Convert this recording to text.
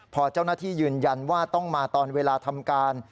พอเจ้าหน้าที่ยืนยันว่าต้องมาตอนเวลาทำการ